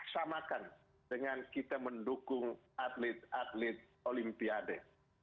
samakan dengan kita mendukung atlet atlet olimpiade